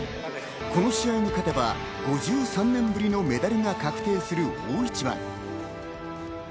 この試合に勝てば５３年ぶりのメダルが確定する大一番。